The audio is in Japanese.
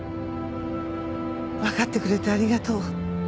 わかってくれてありがとう。